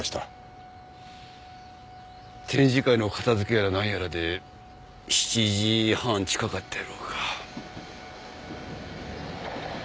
展示会の片付けやらなんやらで７時半近かったやろうか。